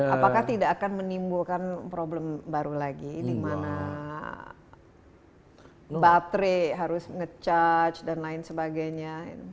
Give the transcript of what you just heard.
apakah tidak akan menimbulkan problem baru lagi di mana baterai harus nge charge dan lain sebagainya